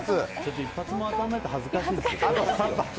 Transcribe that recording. １発も当らないと恥ずかしいですよ。